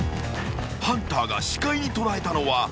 ［ハンターが視界に捉えたのは］